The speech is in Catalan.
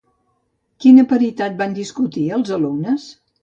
Quina paritat van discutir els alumnes?